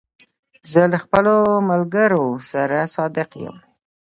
زه له خپلو ملګرو سره صادق یم.